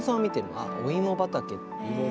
あお芋畑。